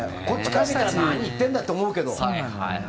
こっちからしたら何言ってんだと思うけど。